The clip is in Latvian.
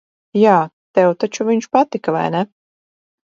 Jā, tev taču viņš patika, vai ne?